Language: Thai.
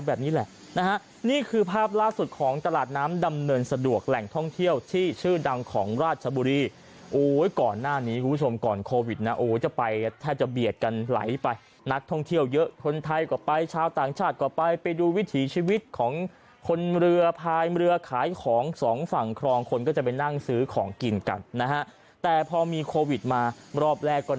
แบบนี้แหละนะฮะนี่คือภาพล่าสุดของตลาดน้ำดำเนินสะดวกแหล่งท่องเที่ยวที่ชื่อดังของราชบุรีโอ้ยก่อนหน้านี้คุณผู้ชมก่อนโควิดนะโอ้จะไปแทบจะเบียดกันไหลไปนักท่องเที่ยวเยอะคนไทยก็ไปชาวต่างชาติก็ไปไปดูวิถีชีวิตของคนเรือพายเรือขายของสองฝั่งครองคนก็จะไปนั่งซื้อของกินกันนะฮะแต่พอมีโควิดมารอบแรกก็